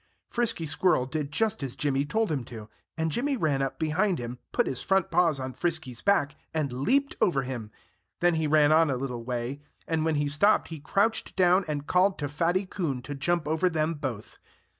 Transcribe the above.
Frisky Squirrel did just as Jimmy told him to do. And Jimmy ran up behind him, put his front paws on Frisky's back, and leaped over him. Then he ran on a little way. And when he stopped, he crouched down and called to Fatty Coon to jump over them both.